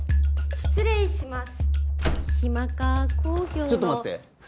失礼します